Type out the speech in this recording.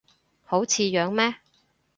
好似樣咩